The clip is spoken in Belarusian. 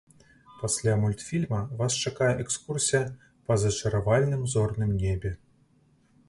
Пасля мультфільма вас чакае экскурсія па зачаравальным зорным небе.